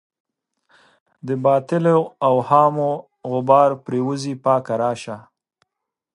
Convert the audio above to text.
د باطلو اوهامو غبار پرېوځي پاکه راشه.